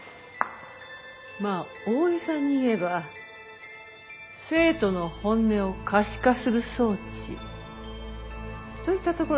まあ大げさに言えば生徒の本音を可視化する装置といったところでしょうか。